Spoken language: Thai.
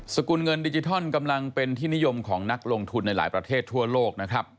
สกุลเงินดิจิทัลกำลังเป็นที่นิยมของนักลงทุนในหลายประเทศทั่วโลกนะครับ